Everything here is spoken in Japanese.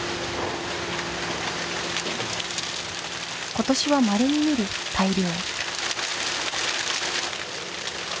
今年はまれに見る大漁。